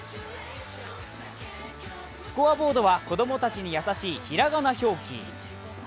スコアボードは子供たちに優しいひらがな表記。